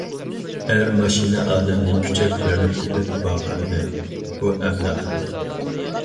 ئەر ماشىنا ئادەمنى كۈچەپ بىرنى تېپىپ ۋارقىرىدى:- ھۇ ئەبلەخ!